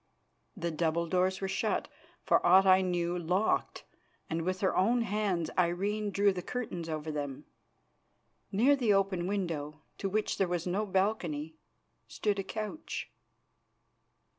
The double doors were shut, for aught I knew locked, and with her own hands Irene drew the curtains over them. Near the open window, to which there was no balcony, stood a couch.